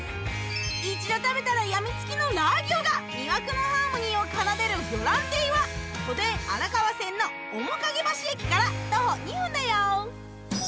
一度食べたら病みつきのラー餃が魅惑のハーモニーを奏でるぎょらん亭は都電荒川線の面影橋駅から徒歩２分だよ！